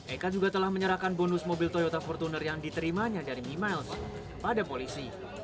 eka juga telah menyerahkan bonus mobil toyota fortuner yang diterimanya dari mimiles pada polisi